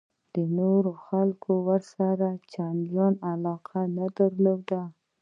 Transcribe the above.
نورو خلکو ورسره چندان علاقه نه درلوده.